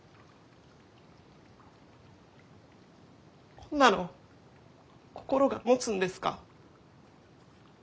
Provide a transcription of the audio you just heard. こんなの心がもつんですか？